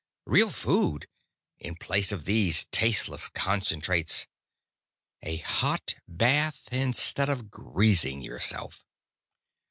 Real food, in place of these tasteless concentrates! A hot bath, instead of greasing yourself!